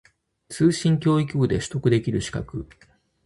通信教育部で取得できる資格